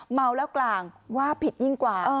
เมาแล้วกลางว่าผิดยิ่งกว่า